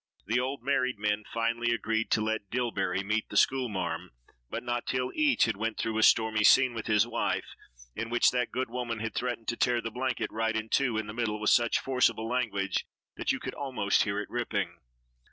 The old married men finally agreed to let Dillbery meet the school marm, but not till each had went through a stormy scene with his wife, in which that good woman had threatened to tear the blanket right in two in the middle with such forcible language that you could almost hear it ripping.